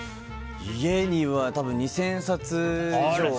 家には２０００冊以上は。